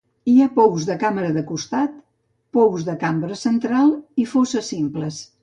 Hi ha pous de càmera de costat, pous de cambra central i fosses simples.